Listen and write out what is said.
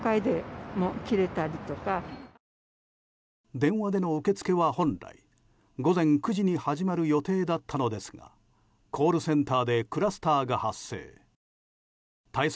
電話での受け付けは本来、午前９時に始まる予定だったのですがコールセンターでクラスターが発生。